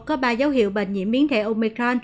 có ba dấu hiệu bệnh nhiễm biến thể omicron